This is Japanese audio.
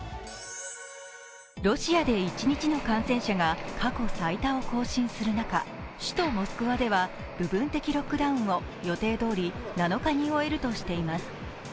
ロシアで一日の感染者が過去最多を更新する中、首都モスクワでは部分的ロックダウンを予定どおり７日に終えるとしています。